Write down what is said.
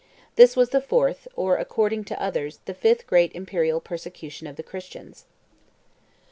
This was the fourth, or, according to others, the fifth great imperial persecution of the Christians.